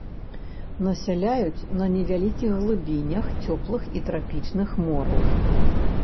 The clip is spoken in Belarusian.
Насяляюць на невялікіх глыбінях цёплых і трапічных мораў.